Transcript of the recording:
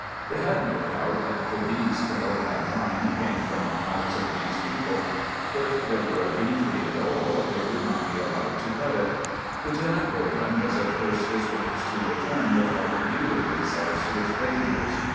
They had no doubt that the bees Philip had lined came from the hives of these people. If there were a bee tree at all, they would not be allowed to cut it. Lieutenant Coleman was at first disposed to return without revealing themselves to the strangers.